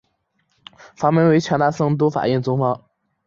法名为权大僧都法印宗方。